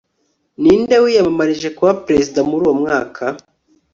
Ninde wiyamamarije kuba perezida muri uwo mwaka